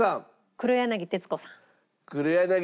黒柳徹子さん。